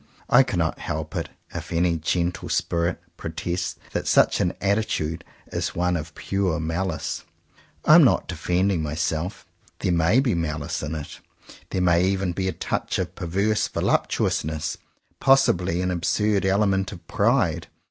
I cannot help it if any gentle spirit protests that such an attitude is one of pure malice. I am not defending myself. There may be malice in it. There may even be a touch of perverse voluptuousness; possibly an absurd element of pride.